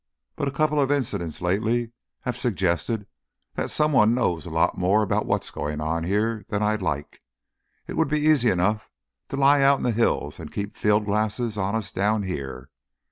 But a couple of incidents lately have suggested that someone knows a lot more about what's going on here than I like. It would be easy enough to lie out in the hills and keep field glasses on us down here.